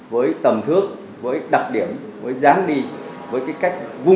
với tầm thước với đặc điểm với dáng đi với cái cách vui